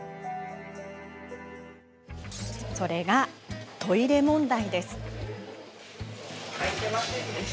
それが、トイレ問題。